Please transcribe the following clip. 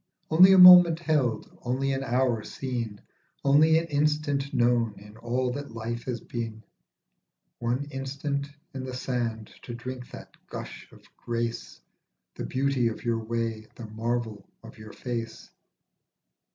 Only a moment held, only an hour seen, Only an instant known in all that life has been, One instant in the sand to drink that gush of grace, The beauty of your way, the marvel of your face.